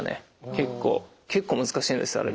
結構結構難しいんですよあれ。